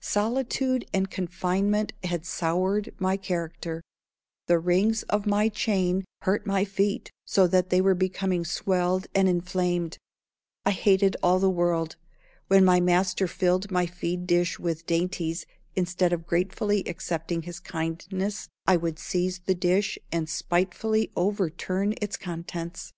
Solitude and confinement had soured my character. The rings of my chain hurt my feet so that they were becoming swelled and inflamed. I hated all the world. When my master filled my feed dish with dainties, instead of gratefully accepting his kindness I would seize the dish and spitefully overturn its contents.